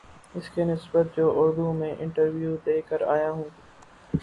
اس کی نسبت جو اردو میں انٹرویو دے کر آ یا ہو